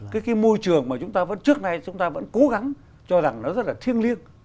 cái môi trường mà chúng ta trước nay vẫn cố gắng cho rằng nó rất là thiêng liêng